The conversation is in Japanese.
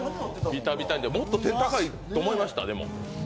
いや、もっと点高いと思いました。